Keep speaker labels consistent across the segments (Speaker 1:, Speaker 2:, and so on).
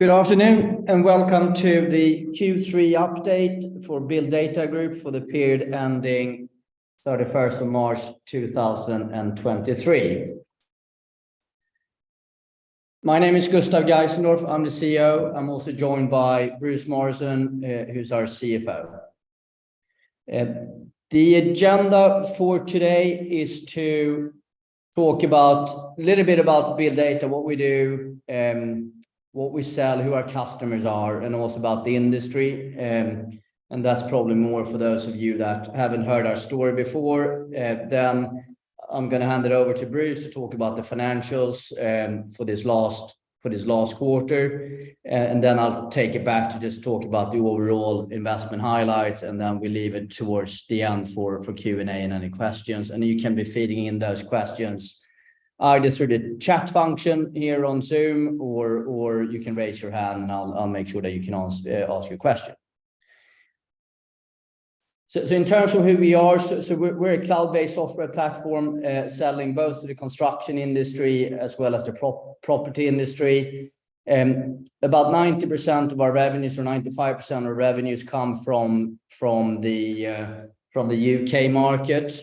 Speaker 1: Good afternoon, welcome to the Q3 update for BuildData Group for the period ending 31st of March 2023. My name is Gustave Geisendorf. I'm the CEO. I'm also joined by Bruce Morrison, who's our CFO. The agenda for today is to talk a little bit about BuildData, what we do, what we sell, who our customers are, and also about the industry. That's probably more for those of you that haven't heard our story before. I'm gonna hand it over to Bruce to talk about the financials for this last quarter. I'll take it back to just talk about the overall investment highlights, and then we leave it towards the end for Q&A and any questions. You can be feeding in those questions either through the chat function here on Zoom or you can raise your hand, and I'll make sure that you can ask your question. In terms of who we are, we're a cloud-based software platform, selling both to the construction industry as well as the property industry. About 90% of our revenues or 95% of our revenues come from the U.K. market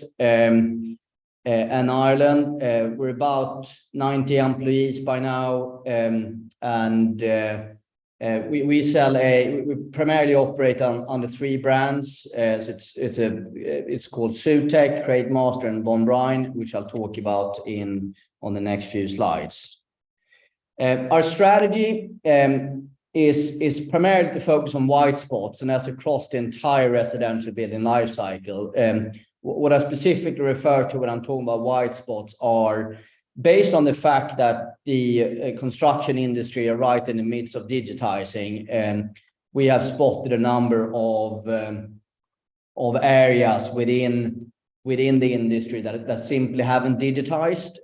Speaker 1: and Ireland. We're about 90 employees by now, and we primarily operate on the three brands, it's called Zutec, Createmaster, and Bond Bryan, which I'll talk about on the next few slides. Our strategy is primarily to focus on white spots, and that's across the entire residential building life cycle. What I specifically refer to when I'm talking about white spots are based on the fact that the construction industry are right in the midst of digitizing, and we have spotted a number of areas within the industry that simply haven't digitized,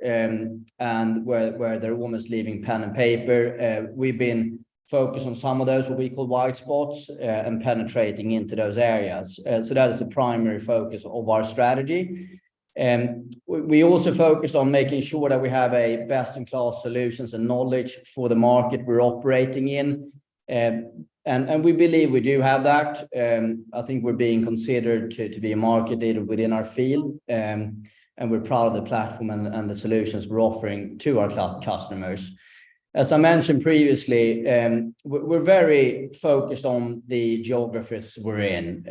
Speaker 1: and where they're almost leaving pen and paper. We've been focused on some of those, what we call white spots, and penetrating into those areas. That is the primary focus of our strategy. We also focused on making sure that we have a best-in-class solutions and knowledge for the market we're operating in. We believe we do have that. I think we're being considered to be a market leader within our field. We're proud of the platform and the solutions we're offering to our customers. As I mentioned previously, we're very focused on the geographies we're in.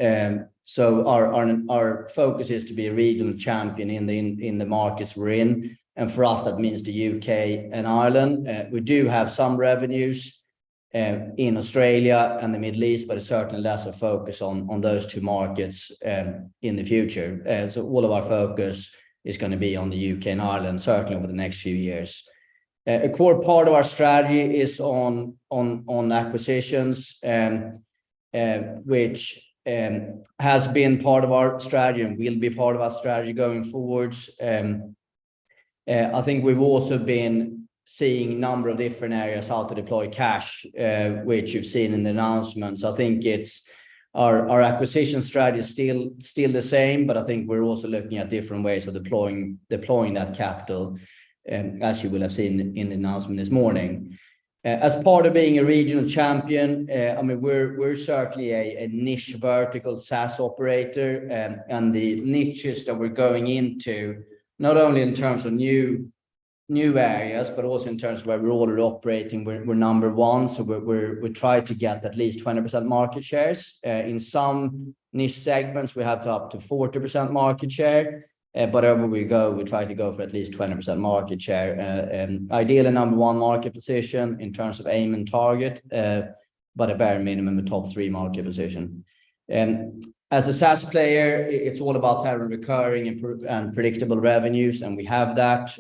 Speaker 1: Our focus is to be a regional champion in the markets we're in, and for us that means the UK and Ireland. We do have some revenues in Australia and the Middle East, but it's certainly less a focus on those two markets in the future. All of our focus is gonna be on the UK and Ireland, certainly over the next few years. A core part of our strategy is on acquisitions, which has been part of our strategy and will be part of our strategy going forwards. I think we've also been seeing a number of different areas how to deploy cash, which you've seen in the announcements. I think it's our acquisition strategy is still the same, but I think we're also looking at different ways of deploying that capital, as you will have seen in the announcement this morning. As part of being a regional champion, I mean, we're certainly a niche vertical SaaS operator. The niches that we're going into, not only in terms of new areas, but also in terms of where we're already operating, we're number one, so we try to get at least 20% market shares. In some niche segments, we have up to 40% market share. Wherever we go, we try to go for at least 20% market share. Ideally number one market position in terms of aim and target, but a bare minimum, a top three market position. As a SaaS player, it's all about having recurring and predictable revenues, and we have that.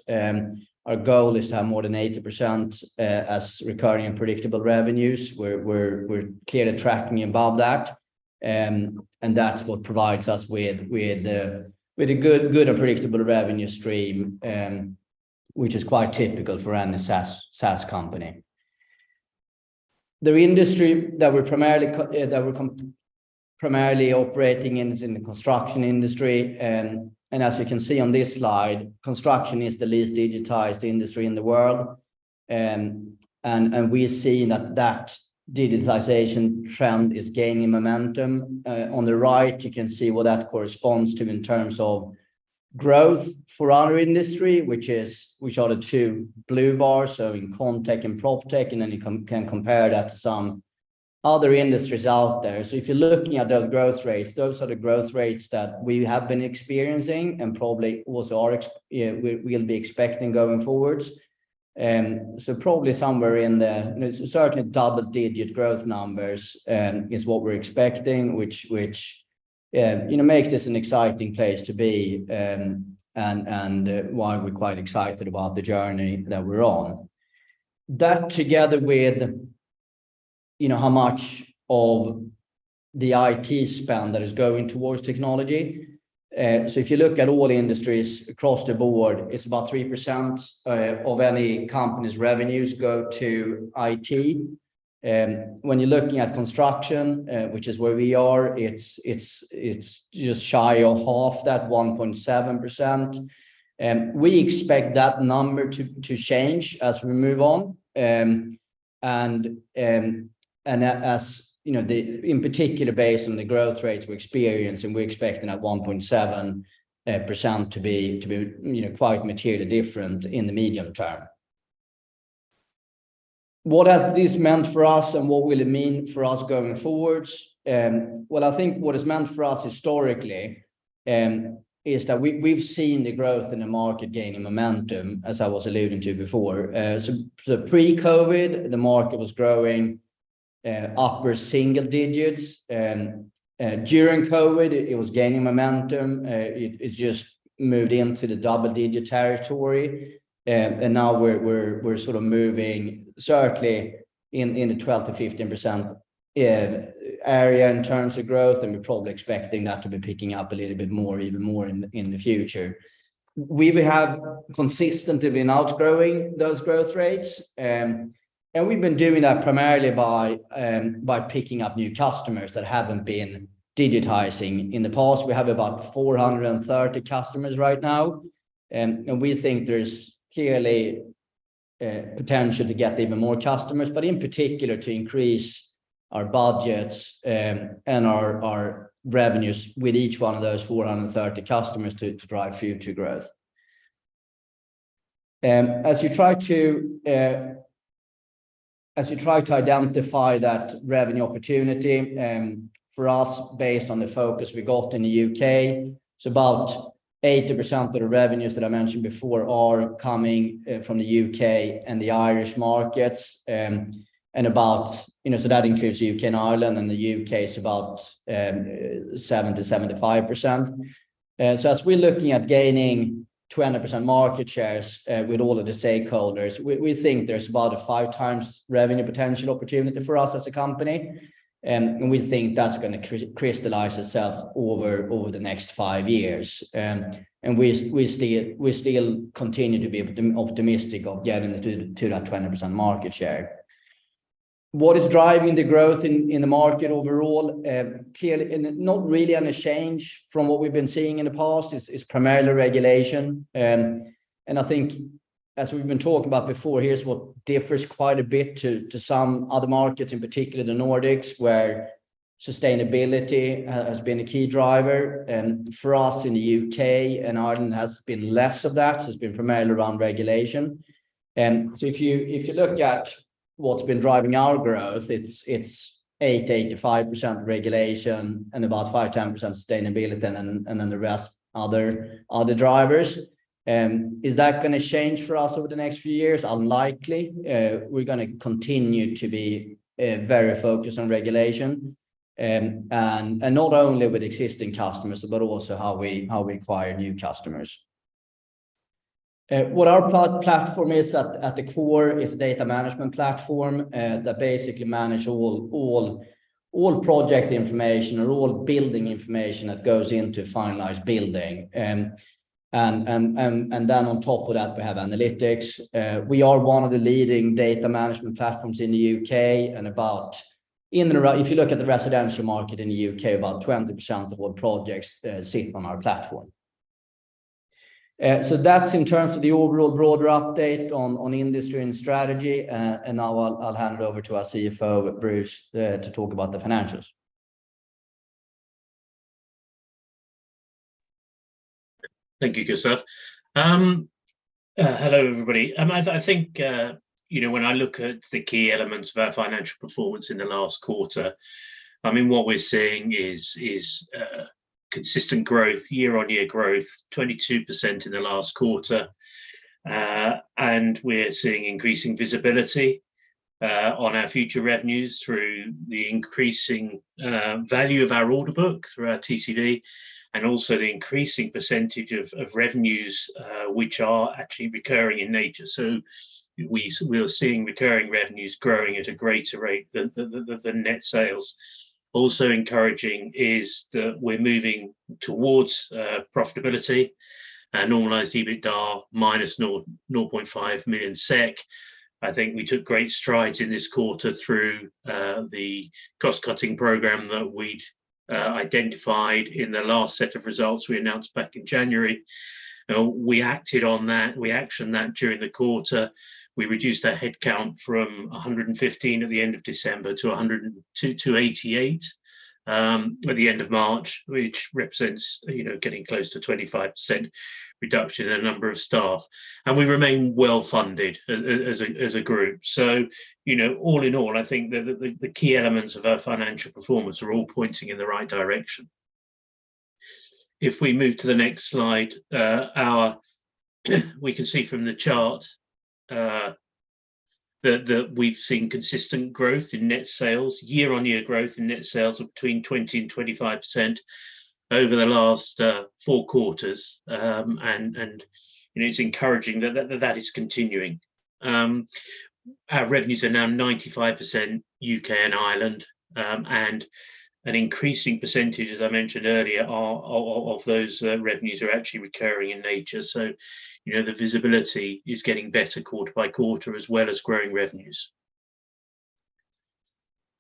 Speaker 1: Our goal is to have more than 80% as recurring and predictable revenues. We're clearly tracking above that. That's what provides us with a good and predictable revenue stream, which is quite typical for any SaaS company. The industry that we're primarily operating in is in the construction industry. As you can see on this slide, construction is the least digitized industry in the world. We're seeing that that digitization trend is gaining momentum. On the right you can see what that corresponds to in terms of growth for our industry, which are the two blue bars, so in ConTech and PropTech, and then you can compare that to some other industries out there. If you're looking at those growth rates, those are the growth rates that we have been experiencing and probably also we'll be expecting going forwards. Probably somewhere in the, you know, certainly double-digit growth numbers is what we're expecting, which, you know, makes this an exciting place to be and why we're quite excited about the journey that we're on. That together with, you know, how much of the IT spend that is going towards technology. If you look at all industries across the board, it's about 3% of any company's revenues go to IT. When you're looking at construction, which is where we are, it's just shy of half that 1.7%. We expect that number to change as we move on. As, you know, the, in particular, based on the growth rates we're experiencing, we're expecting that 1.7% to be, you know, quite materially different in the medium term. What has this meant for us, and what will it mean for us going forwards? Well, I think what it's meant for us historically, is that we've seen the growth in the market gaining momentum, as I was alluding to before. Pre-COVID, the market was growing upper single digits. During COVID, it was gaining momentum. It just moved into the double-digit territory. Now we're sort of moving certainly in the 12% to 15% area in terms of growth, and we're probably expecting that to be picking up a little bit even more in the future. We have consistently been outgrowing those growth rates. We've been doing that primarily by picking up new customers that haven't been digitizing in the past. We have about 430 customers right now. We think there's clearly potential to get even more customers, but in particular to increase our budgets and our revenues with each one of those 430 customers to drive future growth. As you try to identify that revenue opportunity for us, based on the focus we got in the U.K., about 80% of the revenues that I mentioned before are coming from the U.K. and the Irish markets. You know, that includes U.K. and Ireland, and the U.K. is about 70% to 75%. As we're looking at gaining 20% market shares with all of the stakeholders, we think there's about a 5 times revenue potential opportunity for us as a company. We think that's gonna crystallize itself over the next 5 years. We still continue to be optimistic of getting it to that 20% market share. What is driving the growth in the market overall? Clearly, and not really any change from what we've been seeing in the past is primarily regulation. I think as we've been talking about before, here's what differs quite a bit to some other markets, in particular the Nordics, where sustainability has been a key driver. For us in the UK and Ireland has been less of that, has been primarily around regulation. If you look at what's been driving our growth, it's 80% to 85% regulation and about 5% to 10% sustainability and then the rest are the drivers. Is that gonna change for us over the next few years? Unlikely. We're gonna continue to be very focused on regulation. Not only with existing customers, but also how we acquire new customers. What our platform is at the core is a data management platform that basically manage all project information and all building information that goes into a finalized building. Then on top of that, we have analytics. We are one of the leading data management platforms in the U.K. and about in and around... If you look at the residential market in the U.K., about 20% of all projects sit on our platform. That's in terms of the overall broader update on industry and strategy. Now I'll hand it over to our CFO, Bruce, to talk about the financials.
Speaker 2: Thank you, Gustave. Hello everybody. I think, you know, when I look at the key elements of our financial performance in the last quarter, I mean, what we're seeing is consistent growth, year-on-year growth, 22% in the last quarter. We're seeing increasing visibility on our future revenues through the increasing value of our order book through our TCV and also the increasing percentage of revenues which are actually recurring in nature. We are seeing recurring revenues growing at a greater rate than net sales. Also encouraging is that we're moving towards profitability and normalized EBITDA minus 0.5 million SEK. I think we took great strides in this quarter through the cost-cutting program that we'd identified in the last set of results we announced back in January. We acted on that. We actioned that during the quarter. We reduced our headcount from 115 at the end of December to 88 by the end of March, which represents, you know, getting close to 25% reduction in the number of staff. We remain well-funded as a group. You know, all in all, I think the key elements of our financial performance are all pointing in the right direction. If we move to the next slide, we can see from the chart that we've seen consistent growth in net sales, year-on-year growth in net sales of between 20% and 25% over the last four quarters. It's encouraging that is continuing. Our revenues are now 95% U.K. and Ireland, and an increasing percentage, as I mentioned earlier, are of those revenues are actually recurring in nature. You know, the visibility is getting better quarter by quarter as well as growing revenues.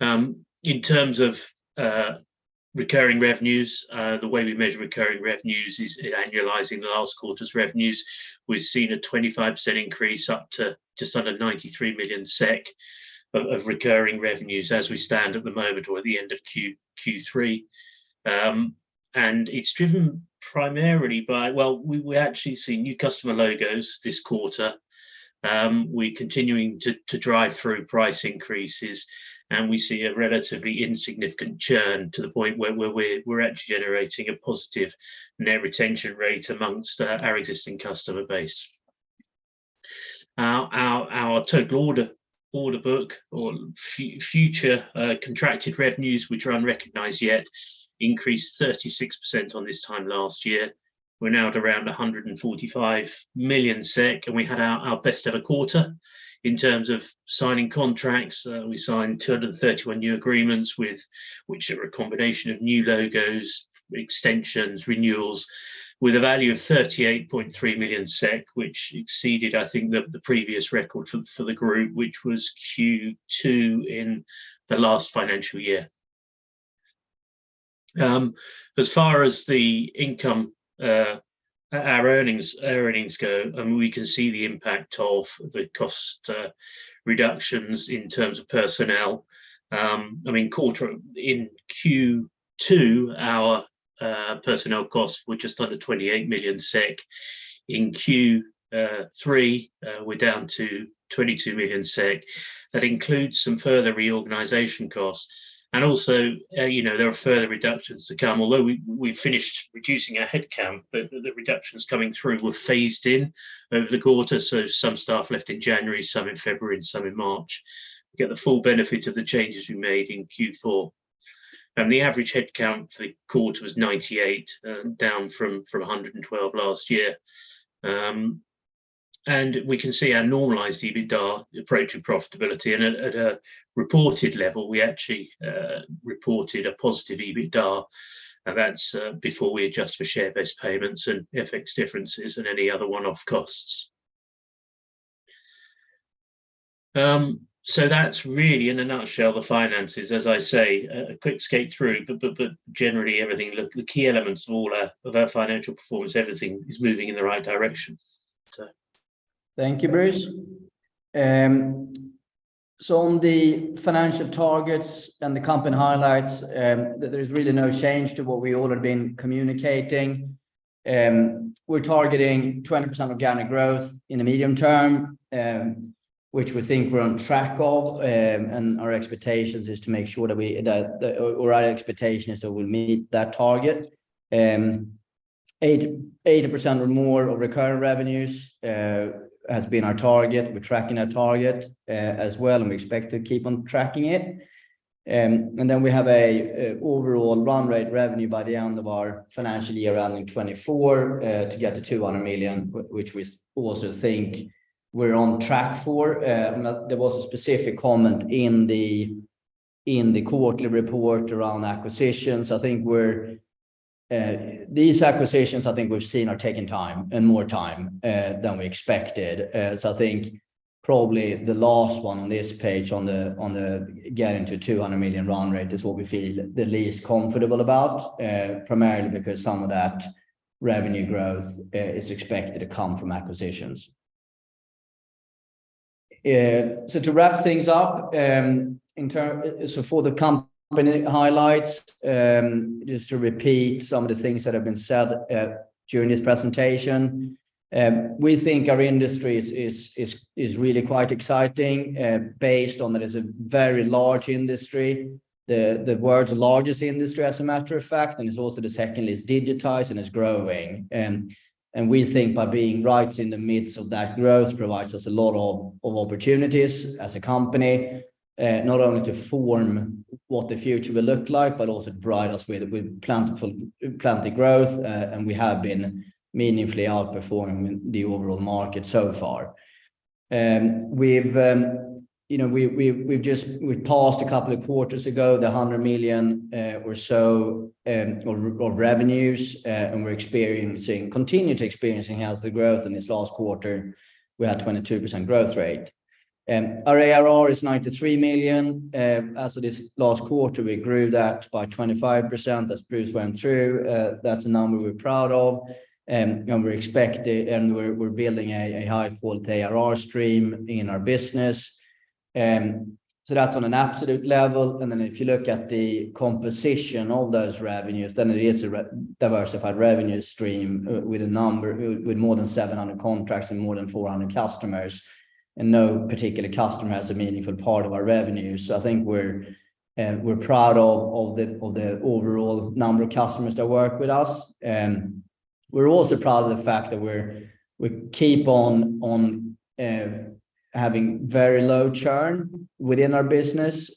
Speaker 2: In terms of recurring revenues, the way we measure recurring revenues is annualizing the last quarter's revenues. We've seen a 25% increase up to just under 93 million SEK of recurring revenues as we stand at the moment or at the end of Q3. It's driven primarily. Well, we actually see new customer logos this quarter. We're continuing to drive through price increases, and we see a relatively insignificant churn to the point where we're actually generating a positive net retention rate amongst our existing customer base. Our total order book or future contracted revenues, which are unrecognized yet, increased 36% on this time last year. We're now at around 145 million SEK, and we had our best ever quarter in terms of signing contracts. We signed 231 new agreements which are a combination of new logos, extensions, renewals with a value of 38.3 million SEK, which exceeded, I think, the previous record for the group, which was Q2 in the last financial year. As far as the income, our earnings go, and we can see the impact of the cost reductions in terms of personnel. I mean, in Q2, our personnel costs were just under 28 million SEK. In Q3, we're down to 22 million SEK. That includes some further reorganization costs. Also, you know, there are further reductions to come. Although we've finished reducing our head count, but the reductions coming through were phased in over the quarter. Some staff left in January, some in February, and some in March. We get the full benefit of the changes we made in Q4. The average head count for the quarter was 98, down from 112 last year. We can see our normalized EBITDA approach to profitability. At a reported level, we actually reported a positive EBITDA, that's before we adjust for share-based payments and FX differences and any other one-off costs. That's really in a nutshell the finances. As I say, a quick skate through, but generally everything look the key elements of all our financial performance, everything is moving in the right direction.
Speaker 1: Thank you, Bruce. On the financial targets and the company highlights, there's really no change to what we all have been communicating. We're targeting 20% organic growth in the medium term, which we think we're on track of. Our expectations is to make sure that we or our expectation is that we'll meet that target. 80% or more of recurring revenues has been our target. We're tracking our target as well, and we expect to keep on tracking it. Then we have a overall run rate revenue by the end of our financial year ending 2024, to get to 200 million, which we also think we're on track for. There was a specific comment in the quarterly report around acquisitions. I think we're... These acquisitions I think we've seen are taking time and more time than we expected. I think probably the last one on this page on the getting to 200 million run rate is what we feel the least comfortable about, primarily because some of that revenue growth is expected to come from acquisitions. To wrap things up, so for the company highlights, just to repeat some of the things that have been said during this presentation. We think our industry is really quite exciting, based on that it's a very large industry. The world's largest industry as a matter of fact, and it's also the second least digitized and it's growing. We think by being right in the midst of that growth provides us a lot of opportunities as a company, not only to form what the future will look like, but also provide us with plentiful plenty growth. We have been meaningfully outperforming the overall market so far. We've, you know, we've passed a couple of quarters ago, the 100 million or so of revenues. We're continue to experiencing as the growth in this last quarter, we had 22% growth rate. Our ARR is 93 million. As of this last quarter, we grew that by 25% as Bruce went through. That's a number we're proud of. We expect it, and we're building a high-quality ARR stream in our business. That's on an absolute level. If you look at the composition of those revenues, then it is a diversified revenue stream with more than 700 contracts and more than 400 customers, and no particular customer has a meaningful part of our revenue. I think we're proud of the overall number of customers that work with us. We're also proud of the fact that we keep on having very low churn within our business.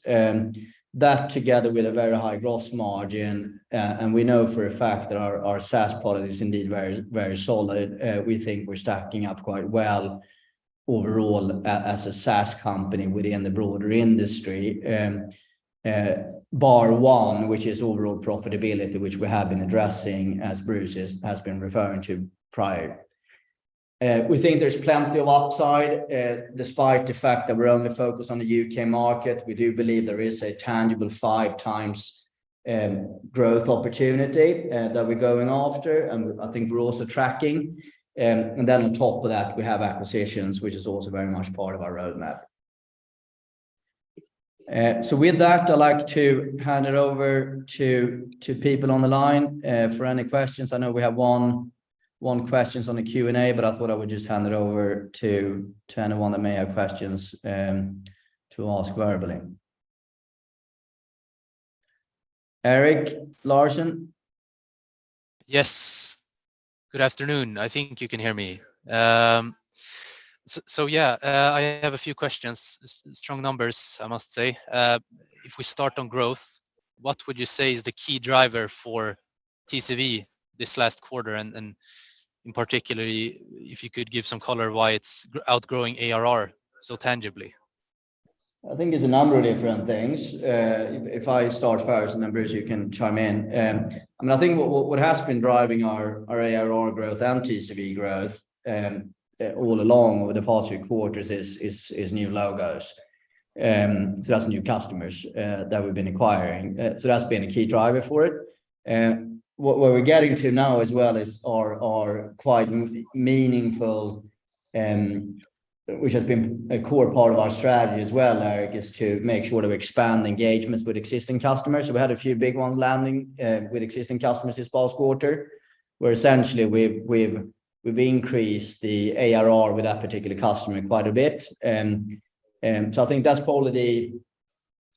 Speaker 1: Together with a very high gross margin, and we know for a fact that our SaaS product is indeed very, very solid. We think we're stacking up quite well overall as a SaaS company within the broader industry. Bar one, which is overall profitability, which we have been addressing as Bruce has been referring to prior. We think there's plenty of upside. Despite the fact that we're only focused on the U.K. market, we do believe there is a tangible five times growth opportunity that we're going after, and I think we're also tracking. On top of that, we have acquisitions, which is also very much part of our roadmap. With that, I'd like to hand it over to people on the line for any questions. I know we have one questions on the Q&A, but I thought I would just hand it over to anyone that may have questions to ask verbally. Erik Larsson?
Speaker 3: Yes. Good afternoon. I think you can hear me. so yeah. I have a few questions. Strong numbers, I must say. If we start on growth, what would you say is the key driver for TCV this last quarter? In particularly, if you could give some color why it's outgrowing ARR so tangibly.
Speaker 1: I think it's a number of different things. If I start first, Anders, you can chime in. I mean, I think what has been driving our ARR growth and TCV growth all along over the past few quarters is new logos. That's new customers that we've been acquiring. That's been a key driver for it. What we're getting to now as well is our quite meaningful, which has been a core part of our strategy as well, Erik, is to make sure to expand engagements with existing customers. We had a few big ones landing with existing customers this past quarter, where essentially we've increased the ARR with that particular customer quite a bit. I think that's probably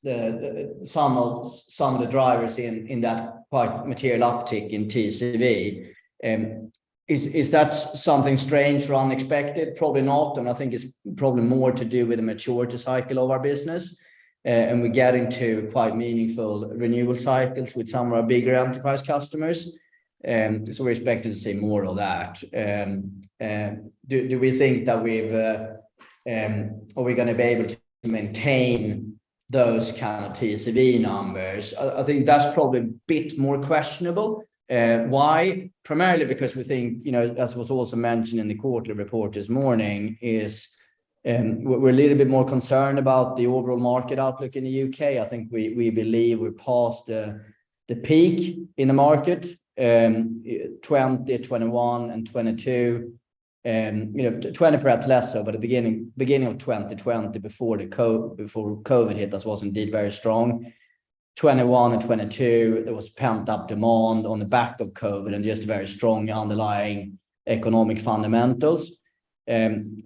Speaker 1: the some of the drivers in that quite material uptick in TCV. Is that something strange or unexpected? Probably not. I think it's probably more to do with the maturity cycle of our business. We're getting to quite meaningful renewal cycles with some of our bigger enterprise customers. We're expecting to see more of that. Do we think that are we gonna be able to maintain those kind of TCV numbers? I think that's probably a bit more questionable. Why? Primarily because we think, you know, as was also mentioned in the quarterly report this morning, we're a little bit more concerned about the overall market outlook in the UK. I think we believe we're past the peak in the market. 2020, 2021 and 2022. you know, 2020 perhaps less so, but the beginning of 2020. 2020 before COVID hit, that was indeed very strong. 2021 and 2022, there was pent-up demand on the back of COVID and just very strong underlying economic fundamentals. We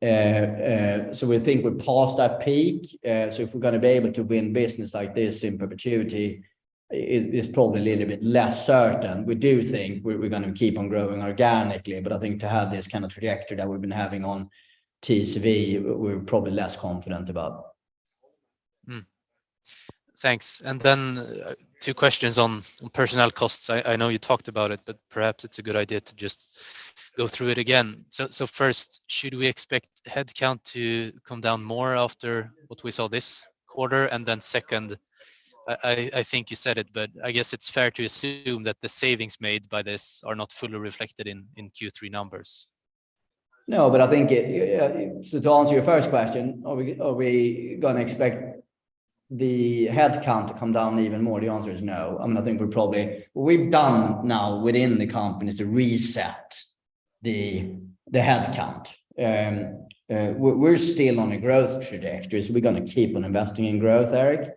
Speaker 1: think we're past that peak. If we're gonna be able to win business like this in perpetuity is probably a little bit less certain. We do think we're gonna keep on growing organically, but I think to have this kind of trajectory that we've been having on TCV, we're probably less confident about.
Speaker 3: Thanks. Then two questions on personnel costs. I know you talked about it, but perhaps it's a good idea to just go through it again. First, should we expect headcount to come down more after what we saw this quarter? Then second, I think you said it, but I guess it's fair to assume that the savings made by this are not fully reflected in Q3 numbers.
Speaker 1: To answer your first question, are we gonna expect the headcount to come down even more? The answer is no. I mean, I think we're probably. What we've done now within the company is to reset the headcount. We're still on a growth trajectory, so we're gonna keep on investing in growth, Erik.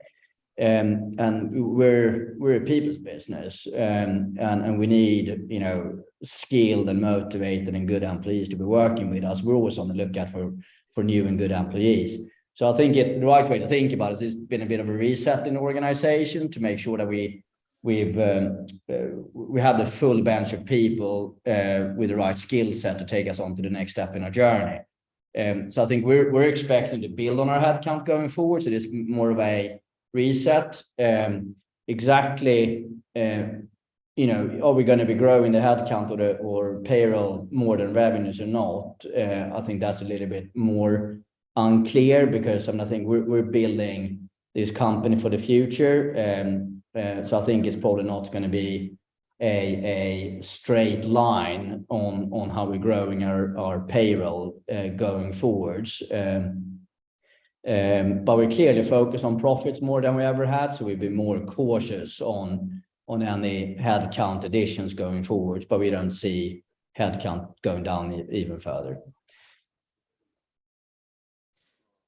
Speaker 1: We're a people's business. We need, you know, skilled and motivated and good employees to be working with us. We're always on the lookout for new and good employees. I think it's the right way to think about is it's been a bit of a reset in the organization to make sure that we have the full bench of people with the right skill set to take us on to the next step in our journey. I think we're expecting to build on our headcount going forward, so it is more of a reset. Exactly, you know, are we gonna be growing the headcount or payroll more than revenues or not? I think that's a little bit more unclear because, I mean, I think we're building this company for the future. I think it's probably not gonna be a straight line on how we're growing our payroll going forwards. We're clearly focused on profits more than we ever have, so we'll be more cautious on any headcount additions going forwards. We don't see headcount going down even further.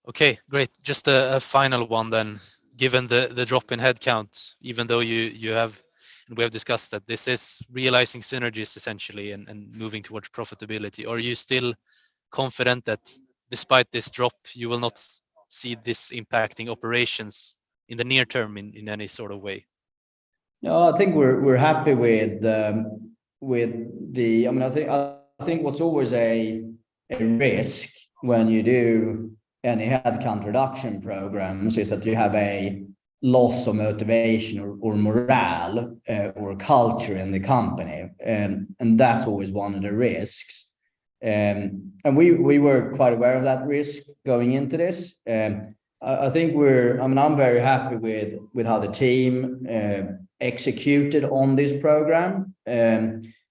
Speaker 3: Okay, great. Just a final one then. Given the drop in headcount, even though you have, and we have discussed that this is realizing synergies essentially and moving towards profitability. Are you still confident that despite this drop, you will not see this impacting operations in the near term in any sort of way?
Speaker 1: No, I think we're happy with the. I mean, I think what's always a risk when you do any headcount reduction programs is that you have a loss of motivation or morale or culture in the company. That's always one of the risks. We were quite aware of that risk going into this. I think we're. I mean, I'm very happy with how the team executed on this program.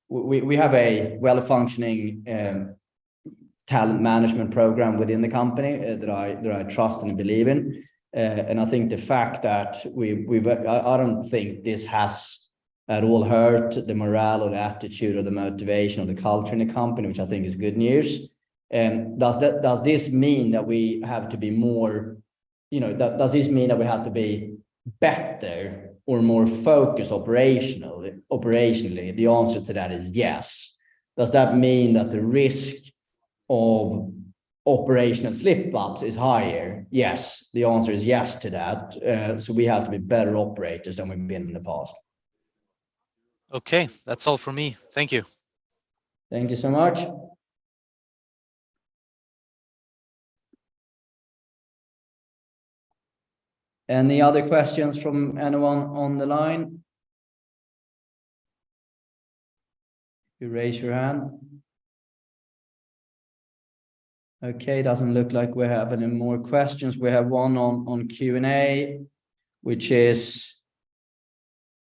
Speaker 1: We have a well-functioning talent management program within the company that I trust and believe in. I think the fact that we've. I don't think this has at all hurt the morale or the attitude or the motivation or the culture in the company, which I think is good news. Does this mean that we have to be more, you know, does this mean that we have to be better or more focused operationally? The answer to that is yes. Does that mean that the risk of operational slip-ups is higher? Yes. The answer is yes to that. We have to be better operators than we've been in the past.
Speaker 3: Okay. That's all for me. Thank you.
Speaker 1: Thank you so much. Any other questions from anyone on the line? You raise your hand. Okay. Doesn't look like we have any more questions. We have one on Q&A, which is,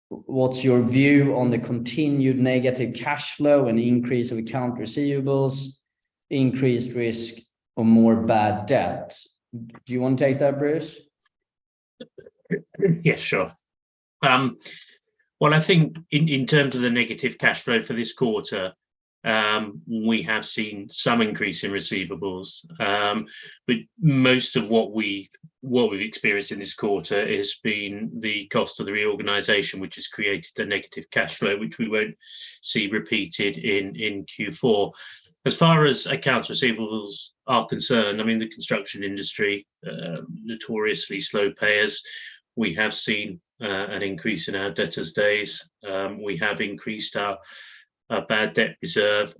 Speaker 1: what's your view on the continued negative cash flow and increase of account receivables, increased risk or more bad debt? Do you want to take that, Bruce?
Speaker 2: Yes, sure. Well, I think in terms of the negative cash flow for this quarter, we have seen some increase in receivables. Most of what we've experienced in this quarter has been the cost of the reorganization, which has created the negative cash flow, which we won't see repeated in Q4. As far as accounts receivables are concerned, I mean, the construction industry notoriously slow payers. We have seen an increase in our debtors' days. We have increased our bad debt reserve.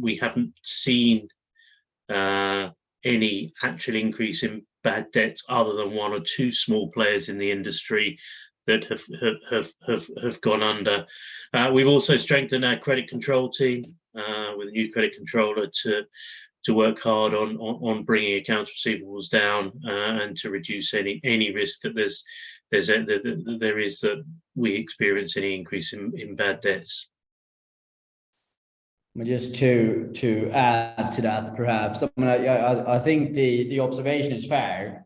Speaker 2: We haven't seen any actual increase in bad debts other than one or two small players in the industry that have gone under. We've also strengthened our credit control team with a new credit controller to work hard on bringing accounts receivables down and to reduce any risk that there is that we experience any increase in bad debts.
Speaker 1: Just to add to that perhaps, I mean, I think the observation is fair,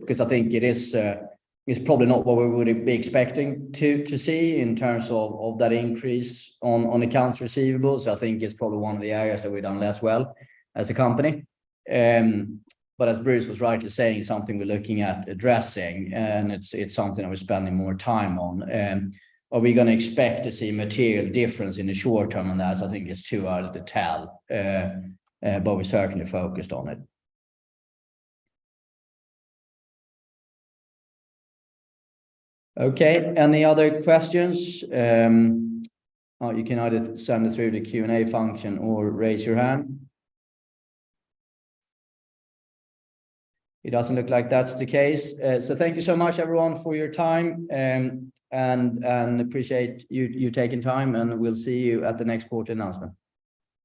Speaker 1: because I think it is, it's probably not what we would be expecting to see in terms of that increase on accounts receivables. I think it's probably one of the areas that we've done less well as a company. As Bruce was rightly saying, something we're looking at addressing, and it's something that we're spending more time on. Are we gonna expect to see material difference in the short term on that? I think it's too early to tell. We're certainly focused on it. Any other questions? You can either send it through the Q&A function or raise your hand. It doesn't look like that's the case. Thank you so much everyone for your time, and appreciate you taking time, and we'll see you at the next quarter announcement.